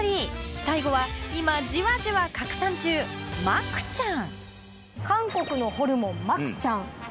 最後は今じわじわ拡散中、マクチャン。